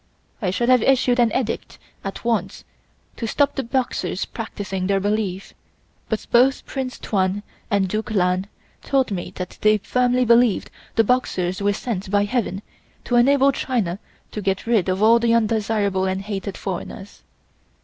I should have issued an Edict at once to stop the Boxers practising their belief, but both Prince Tuan and Duke Lan told me that they firmly believed the Boxers were sent by Heaven to enable China to get rid of all the undesirable and hated foreigners.